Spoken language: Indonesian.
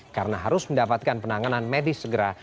karena harus mendapatkan penanganan medis segera